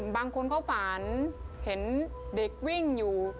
บางคนก็ฝันเห็นเด็กวิ่งอยู่